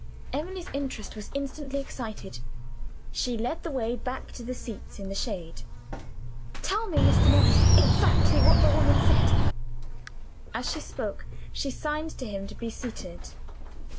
Emily's interest was instantly excited. She led the way back to the seats in the shade. "Tell me, Mr. Morris, exactly what the woman said." As she spoke, she signed to him to be seated.